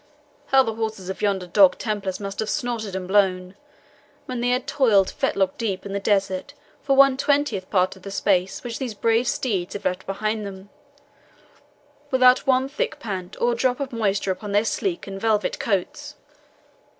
How the horses of yonder dog Templars must have snorted and blown, when they had toiled fetlock deep in the desert for one twentieth part of the space which these brave steeds have left behind them, without one thick pant, or a drop of moisture upon their sleek and velvet coats!"